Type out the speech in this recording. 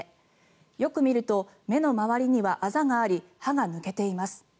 よく見ると目の周りにはあざがあり歯が抜けています。